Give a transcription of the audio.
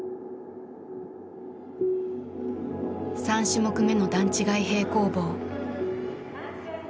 ３種目目の段違い平行棒。